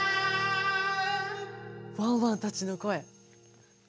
ワンワンたちのこえ。